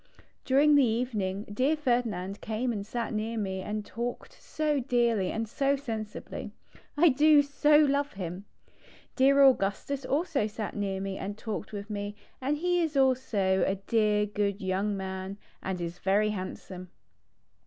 During the evening dear Ferdinand came and sat near me and talked so dearly and so sensibly. I do so love him. Dear Augustus also sat near me and talked with me and he is also a dear good young man, and is very handsome.